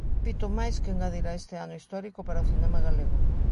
Un fito máis que engadir a este ano histórico para o cinema galego.